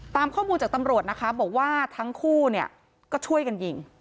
ตามข้อมูลจากตำรวจนะคะบอกว่าทั้งคู่เนี่ยก็ช่วยกันยิง